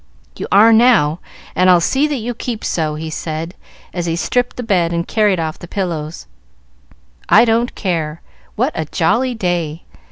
"You are now, and I'll see that you keep so," he said, as he stripped the bed and carried off the pillows. "I don't care. What a jolly day!"